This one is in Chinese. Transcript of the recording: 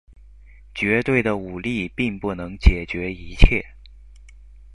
绝对的武力并不能解决一切。